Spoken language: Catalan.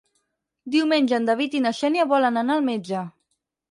Diumenge en David i na Xènia volen anar al metge.